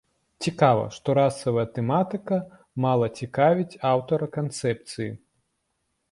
Цікава, што расавая тэматыка мала цікавіць аўтара канцэпцыі.